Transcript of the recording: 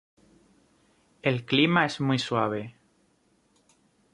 El clima es muy suave.